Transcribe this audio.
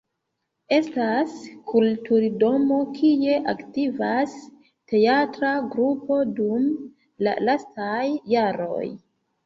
Estas kulturdomo kie aktivas teatra grupo dum la lastaj jaroj.